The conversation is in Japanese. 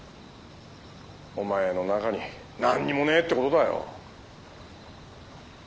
お前の中に何にもねえって事だよ。